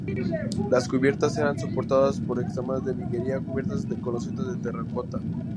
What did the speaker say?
Las cubiertas eran soportadas por entramados de viguería, cubiertos con losetas de terracota.